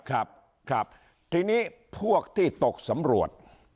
ครับครับทีนี้พวกที่ตกสำรวจ